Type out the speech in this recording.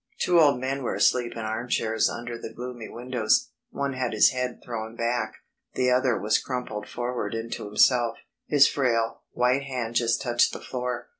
Two old men were asleep in armchairs under the gloomy windows. One had his head thrown back, the other was crumpled forward into himself; his frail, white hand just touched the floor.